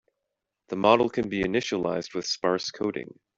The model can be initialized with sparse coding.